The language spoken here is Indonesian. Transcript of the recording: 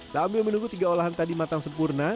sambil menunggu tiga olahan tadi matang sempurna